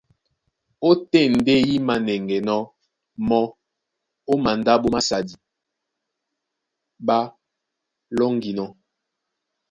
Ótên ndé í mānɛŋgɛnɔ́ mɔ́ ó mandáɓo másadi ɓá lóŋginɔ́.